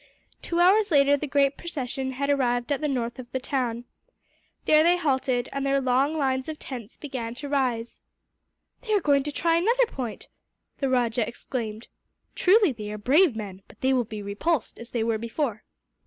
Two hours later, the great procession had arrived at the north of the town. There they halted, and their long lines of tents began to rise. "They are going to try another point," the rajah exclaimed. "Truly they are brave men, but they will be repulsed, as they were before."